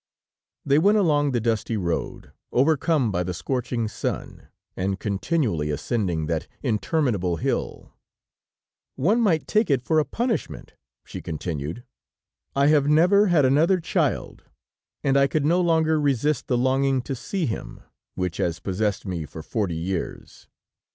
They went along the dusty road, overcome by the scorching sun, and continually ascending that interminable hill. "One might take it for a punishment," she continued; "I have never had another child, and I could no longer resist the longing to see him, which has possessed me for forty years.